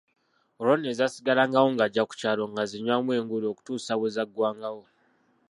Olwo nno ezaasigalangawo ng'ajja ku kyalo ng'azinywamu enguuli okutuusa bwe zaggwangawo.